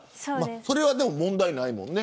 それは、でも問題ないもんね